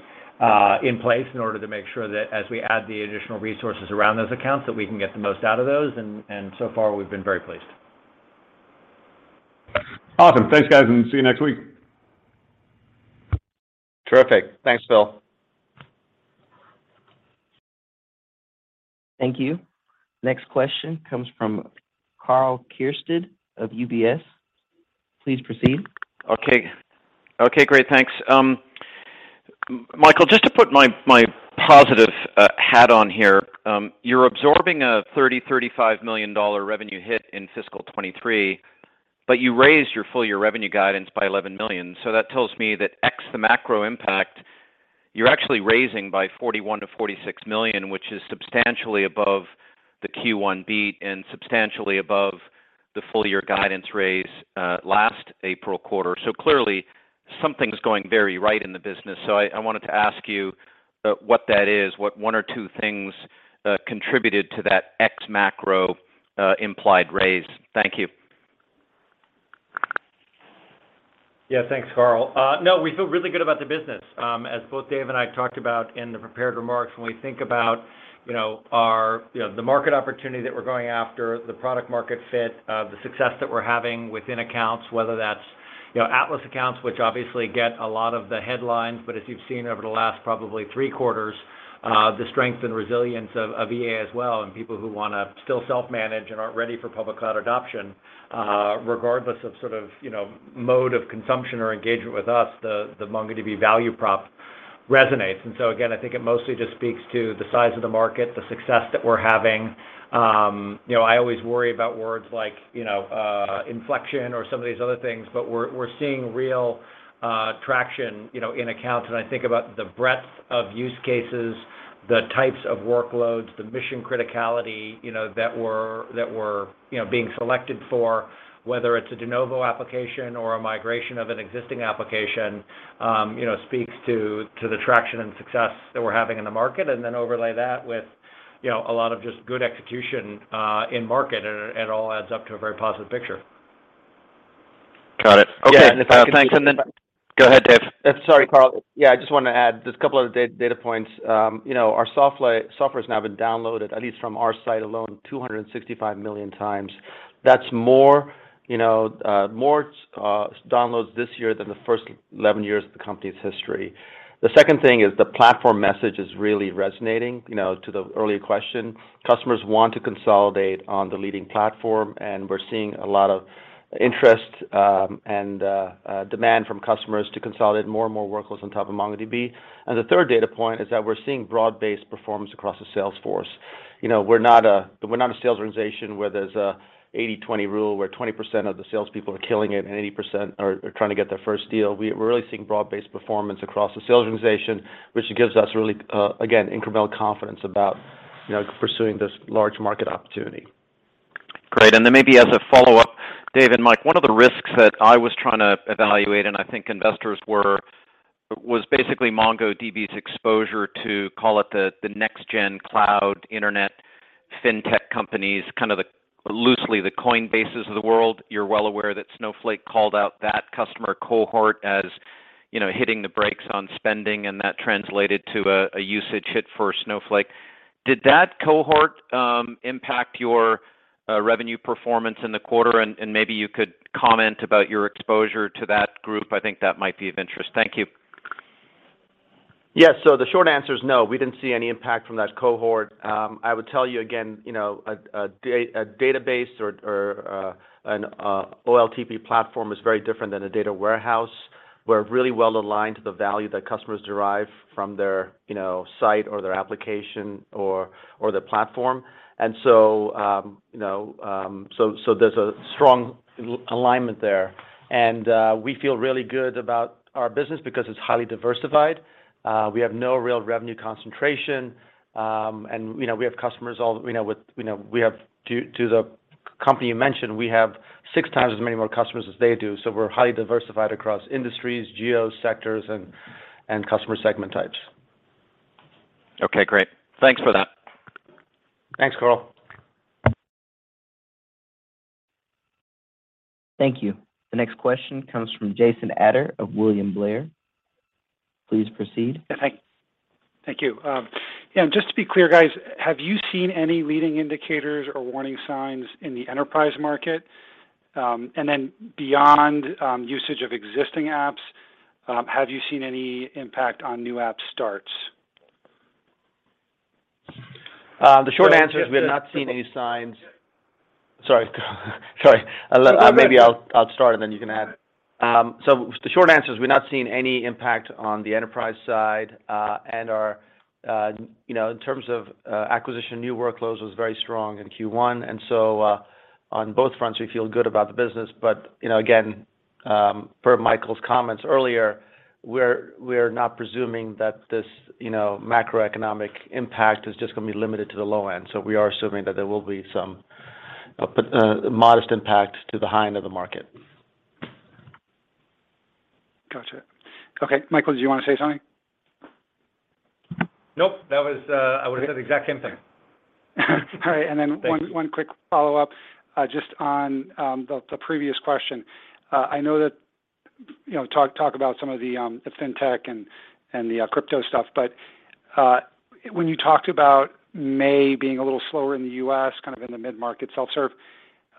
in place in order to make sure that as we add the additional resources around those accounts, that we can get the most out of those. So far, we've been very pleased. Awesome. Thanks, guys, and see you next week. Terrific. Thanks, Phil. Thank you. Next question comes from Karl Keirstead of UBS. Please proceed. Okay, great. Thanks. Michael, just to put my positive hat on here, you're absorbing a $30 million-$35 million revenue hit in fiscal 2023, but you raised your full year revenue guidance by $11 million. That tells me that ex the macro impact, you're actually raising by $41 million-$46 million, which is substantially above the Q1 beat and substantially above the full year guidance raise last April quarter. Clearly, something's going very right in the business. I wanted to ask you what that is, what one or two things contributed to that ex macro implied raise. Thank you. Yeah. Thanks, Karl. No, we feel really good about the business. As both Dev and I talked about in the prepared remarks, when we think about, you know, our, you know, the market opportunity that we're going after, the product market fit, the success that we're having within accounts, whether that's, you know, Atlas accounts, which obviously get a lot of the headlines, but as you've seen over the last probably three quarters, the strength and resilience of EA as well, and people who wanna still self-manage and aren't ready for public cloud adoption, regardless of sort of, you know, mode of consumption or engagement with us, the MongoDB value prop resonates. Again, I think it mostly just speaks to the size of the market, the success that we're having. You know, I always worry about words like, you know, inflection or some of these other things, but we're seeing real traction, you know, in accounts. I think about the breadth of use cases, the types of workloads, the mission criticality, you know, that we're being selected for, whether it's a de novo application or a migration of an existing application, you know, speaks to the traction and success that we're having in the market, and then overlay that with, you know, a lot of just good execution in market, and it all adds up to a very positive picture. Got it. Okay. Yeah, if I can. Thanks. Go ahead, Dev. Sorry, Karl. Yeah, I just wanna add just a couple other data points. You know, our software's now been downloaded, at least from our site alone, 265 million times. That's more, you know, more downloads this year than the first 11 years of the company's history. The second thing is the platform message is really resonating. You know, to the earlier question, customers want to consolidate on the leading platform, and we're seeing a lot of interest, and demand from customers to consolidate more and more workloads on top of MongoDB. The third data point is that we're seeing broad-based performance across the sales force. You know, we're not a sales organization where there's a 80-20 rule where 20% of the sales people are killing it and 80% are trying to get their first deal. We're really seeing broad-based performance across the sales organization, which gives us really, again, incremental confidence about, you know, pursuing this large market opportunity. Great. Maybe as a follow-up, Dev and Mike, one of the risks that I was trying to evaluate, and I think investors were, was basically MongoDB's exposure to call it the next gen cloud internet, Fintech companies, kind of loosely the Coinbases of the world. You're well aware that Snowflake called out that customer cohort as, you know, hitting the brakes on spending, and that translated to a usage hit for Snowflake. Did that cohort impact your revenue performance in the quarter? Maybe you could comment about your exposure to that group. I think that might be of interest. Thank you. Yes. The short answer is no. We didn't see any impact from that cohort. I would tell you again, you know, a database or an OLTP platform is very different than a data warehouse. We're really well aligned to the value that customers derive from their, you know, site or their application or their platform. You know, so there's a strong alignment there. We feel really good about our business because it's highly diversified. We have no real revenue concentration, and, you know, we have customers all, you know, with, you know, we have to the company you mentioned, we have six times as many more customers as they do. We're highly diversified across industries, geos, sectors, and customer segment types. Okay, great. Thanks for that. Thanks, Karl. Thank you. The next question comes from Jason Ader of William Blair. Please proceed. Yeah. Thank you. Yeah, just to be clear, guys, have you seen any leading indicators or warning signs in the enterprise market? Beyond usage of existing apps, have you seen any impact on new app starts? Maybe I'll start, and then you can add. The short answer is we're not seeing any impact on the enterprise side, and our, you know, in terms of, acquisition, new workloads was very strong in Q1. On both fronts, we feel good about the business. You know, again, per Michael's comments earlier, we're not presuming that this, you know, macroeconomic impact is just gonna be limited to the low end. We are assuming that there will be some modest impact to the high end of the market. Gotcha. Okay, Michael, do you wanna say something? Nope. That was, I would say the exact same thing. All right. Thank you. One quick follow-up just on the previous question. I know that, you know, talk about some of the fintech and the crypto stuff, but when you talked about May being a little slower in the US, kind of in the mid-market self-serve,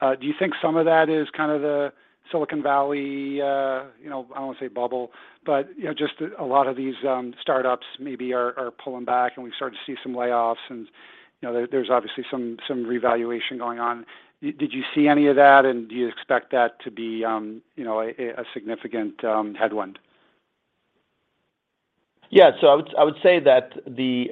do you think some of that is kind of the Silicon Valley, you know, I don't wanna say bubble, but, you know, just a lot of these startups maybe are pulling back and we start to see some layoffs and, you know, there's obviously some revaluation going on. Did you see any of that, and do you expect that to be, you know, a significant headwind? Yeah. I would say that the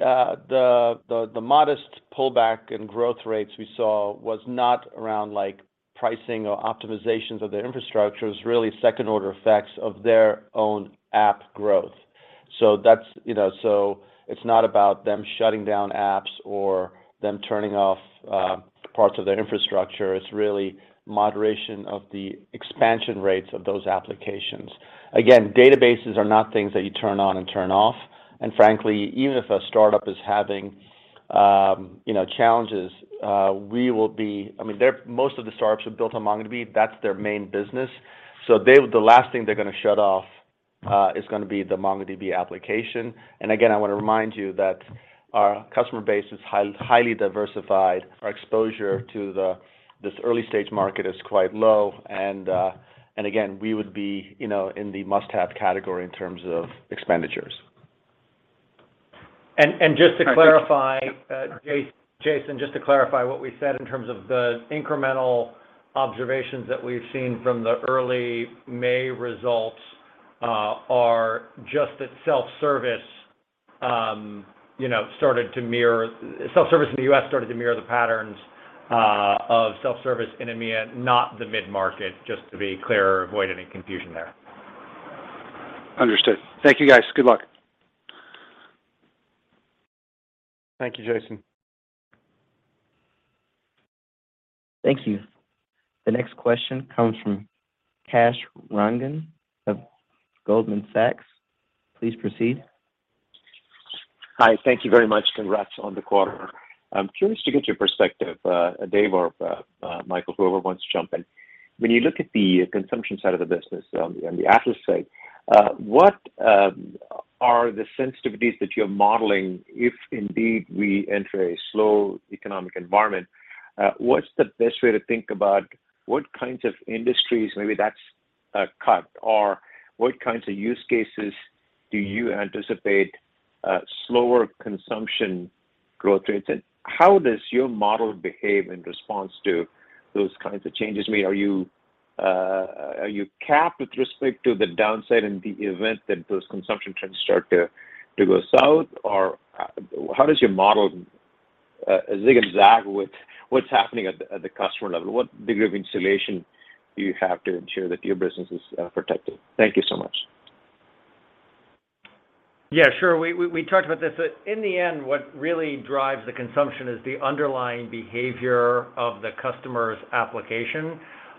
modest pullback in growth rates we saw was not around, like, pricing or optimizations of their infrastructure. It's really second-order effects of their own app growth. That's, you know, so it's not about them shutting down apps or them turning off parts of their infrastructure. It's really moderation of the expansion rates of those applications. Again, databases are not things that you turn on and turn off. Frankly, even if a startup is having, you know, challenges, I mean, most of the startups are built on MongoDB. That's their main business. The last thing they're gonna shut off is gonna be the MongoDB application. Again, I wanna remind you that our customer base is highly diversified. Our exposure to this early-stage market is quite low, and again, we would be, you know, in the must-have category in terms of expenditures. Just to clarify, Jason, just to clarify what we said in terms of the incremental observations that we've seen from the early May results are just that self-service in the U.S. started to mirror the patterns of self-service in EMEA, not the mid-market, just to be clear, avoid any confusion there. Understood. Thank you, guys. Good luck. Thank you, Jason. Thank you. The next question comes from Kash Rangan of Goldman Sachs. Please proceed. Hi. Thank you very much. Congrats on the quarter. I'm curious to get your perspective, Dev or Michael, whoever wants to jump in. When you look at the consumption side of the business on the Atlas side, what are the sensitivities that you're modeling if, indeed, we enter a slow economic environment? What's the best way to think about what kinds of industries maybe that's cut, or what kinds of use cases do you anticipate slower consumption growth rates? How does your model behave in response to those kinds of changes? I mean, are you capped with respect to the downside in the event that those consumption trends start to go south? Or how does your model zig and zag with what's happening at the customer level? What degree of insulation do you have to ensure that your business is protected? Thank you so much. Yeah, sure. We talked about this. In the end, what really drives the consumption is the underlying behavior of the customer's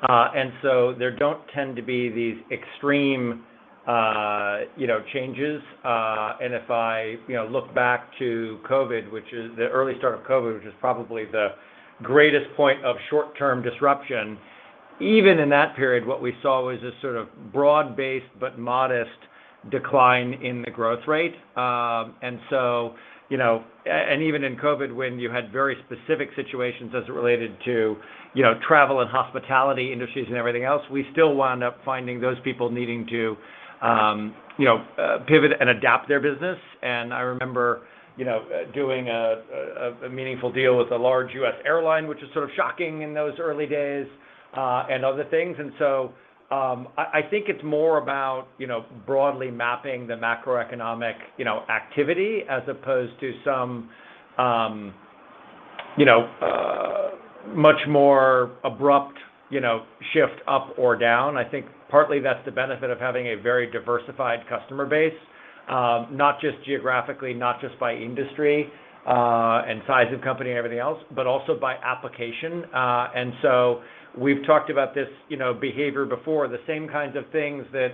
application. There don't tend to be these extreme, you know, changes. If I, you know, look back to COVID, which is the early start of COVID, which is probably the greatest point of short-term disruption, even in that period, what we saw was this sort of broad-based but modest decline in the growth rate. You know, and even in COVID, when you had very specific situations as it related to, you know, travel and hospitality industries and everything else, we still wound up finding those people needing to, you know, pivot and adapt their business. I remember, you know, doing a meaningful deal with a large U.S. airline, which was sort of shocking in those early days, and other things. I think it's more about, you know, broadly mapping the macroeconomic, you know, activity as opposed to some, you know, much more abrupt, you know, shift up or down. I think partly that's the benefit of having a very diversified customer base, not just geographically, not just by industry, and size of company and everything else, but also by application. We've talked about this, you know, behavior before, the same kinds of things that,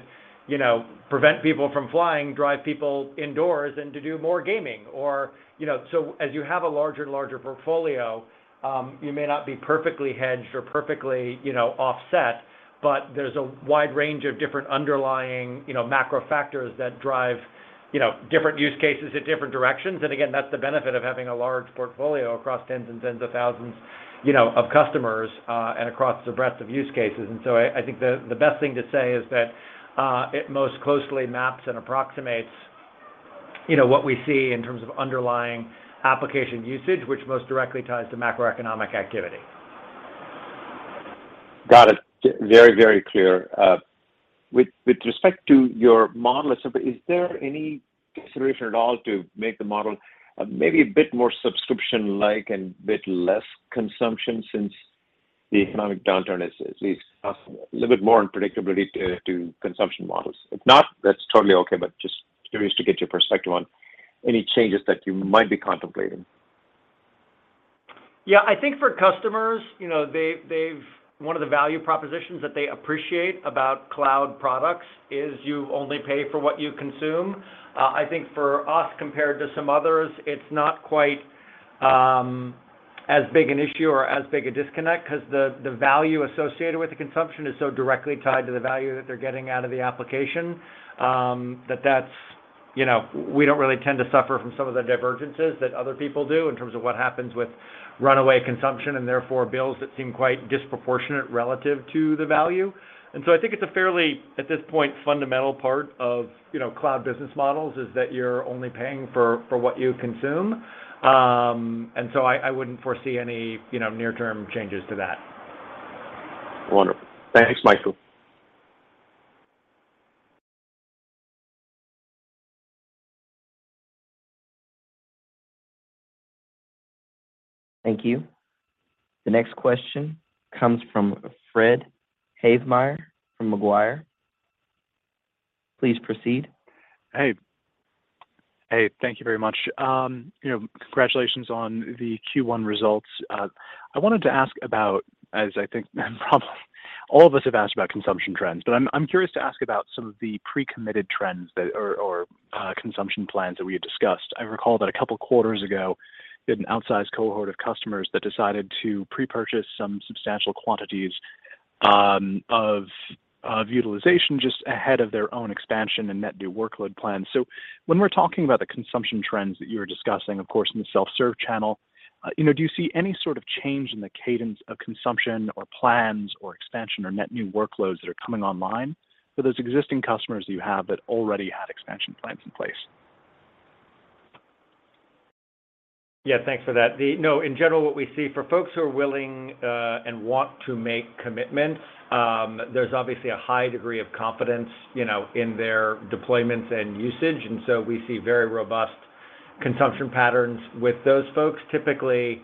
you know, prevent people from flying, drive people indoors and to do more gaming or, you know. As you have a larger and larger portfolio, you may not be perfectly hedged or perfectly, you know, offset, but there's a wide range of different underlying, you know, macro factors that drive, you know, different use cases in different directions. Again, that's the benefit of having a large portfolio across tens and tens of thousands, you know, of customers, and across the breadth of use cases. I think the best thing to say is that it most closely maps and approximates, you know, what we see in terms of underlying application usage, which most directly ties to macroeconomic activity. Got it. Very, very clear. With respect to your model, is there any consideration at all to make the model maybe a bit more subscription-like and a bit less consumption, since the economic downturn is a little bit more unpredictability to consumption models? If not, that's totally okay, but just curious to get your perspective on any changes that you might be contemplating. Yeah. I think for customers, you know, one of the value propositions that they appreciate about cloud products is you only pay for what you consume. I think for us compared to some others, it's not quite as big an issue or as big a disconnect 'cause the value associated with the consumption is so directly tied to the value that they're getting out of the application, that, you know, we don't really tend to suffer from some of the divergences that other people do in terms of what happens with runaway consumption, and therefore bills that seem quite disproportionate relative to the value. I think it's a fairly, at this point, fundamental part of, you know, cloud business models, is that you're only paying for what you consume. I wouldn't foresee any, you know, near-term changes to that. Wonderful. Thanks, Michael. Thank you. The next question comes from Fred Havemeyer from Macquarie. Please proceed. Hey. Hey, thank you very much. You know, congratulationson the Q1 results. I wanted to ask about, as I think probably all of us have asked about consumption trends, but I'm curious to ask about some of the pre-committed trends that or consumption plans that we had discussed. I recall that a couple quarters ago, you had an outsized cohort of customers that decided to pre-purchase some substantial quantities of utilization just ahead of their own expansion and net new workload plan. When we're talking about the consumption trends that you were discussing, of course, in the self-serve channel, you know, do you see any sort of change in the cadence of consumption or plans or expansion or net new workloads that are coming online for those existing customers that you have that already had expansion plans in place? Yeah, thanks for that. No, in general, what we see for folks who are willing and want to make commitments, there's obviously a high degree of confidence, you know, in their deployments and usage, and so we see very robust consumption patterns with those folks. Typically,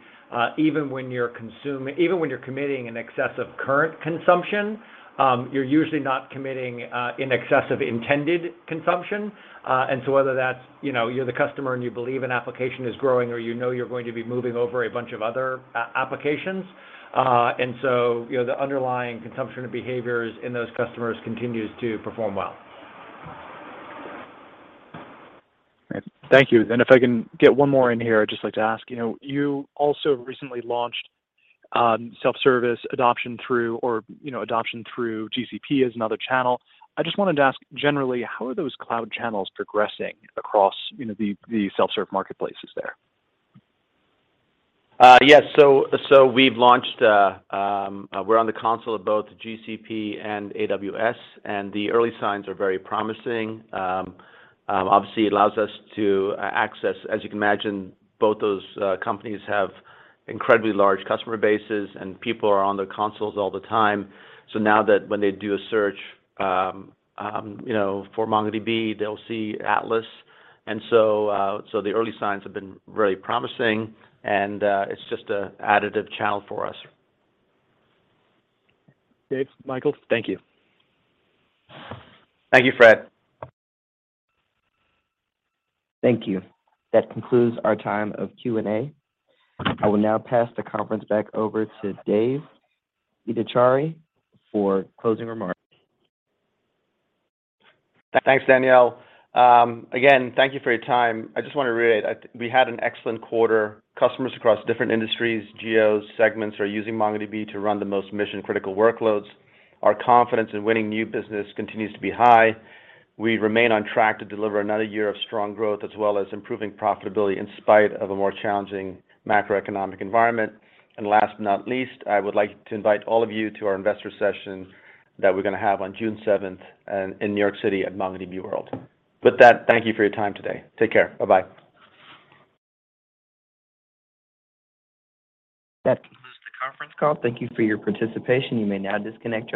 even when you're committing in excess of current consumption, you're usually not committing in excess of intended consumption. Whether that's, you know, you're the customer and you believe an application is growing or you know you're going to be moving over a bunch of other applications, and so, you know, the underlying consumption and behaviors in those customers continues to perform well. Great. Thank you. If I can get one more in here, I'd just like to ask, you know, you also recently launched self-service adoption through, or you know, adoption through GCP as another channel. I just wanted to ask, generally, how are those cloud channels progressing across, you know, the self-serve marketplaces there? Yes. We've launched. We're on the console of both GCP and AWS, and the early signs are very promising. Obviously it allows us to access. As you can imagine, both those companies have incredibly large customer bases, and people are on their consoles all the time. Now when they do a search, you know, for MongoDB, they'll see Atlas. The early signs have been really promising, and it's just an additive channel for us. Okay. Michael, thank you. Thank you, Fred. Thank you. That concludes our time of Q&A. I will now pass the conference back over to Dev Ittycheria for closing remarks. Thanks, Daniel. Again, thank you for your time. I just want to reiterate, we had an excellent quarter. Customers across different industries, geos, segments are using MongoDB to run the most mission-critical workloads. Our confidence in winning new business continues to be high. We remain on track to deliver another year of strong growth as well as improving profitability in spite of a more challenging macroeconomic environment. Last but not least, I would like to invite all of you to our investor session that we're gonna have on June seventh in New York City at MongoDB World. With that, thank you for your time today. Take care. Bye-bye. That concludes the conference call. Thank you for your participation. You may now disconnect your